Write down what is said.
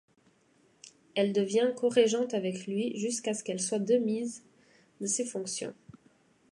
Elle devient corégente avec lui jusqu'à ce qu'elle soit démise de ses fonctions.